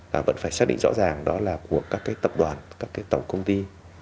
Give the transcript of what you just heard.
là vẫn phải xác định rõ ràng đó là của các cái tập đoàn các cái tổng công ty